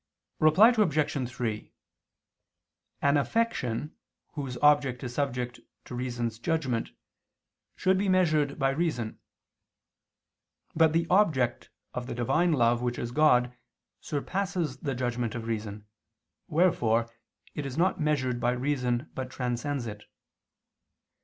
Reply Obj. 3: An affection, whose object is subject to reason's judgment, should be measured by reason. But the object of the Divine love which is God surpasses the judgment of reason, wherefore it is not measured by reason but transcends it.